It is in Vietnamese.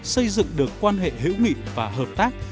xây dựng được quan hệ hữu nghị và hợp tác